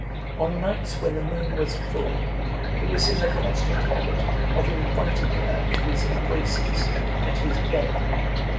On nights when the moon was full, he was in the constant habit of inviting her to his embraces and his bed.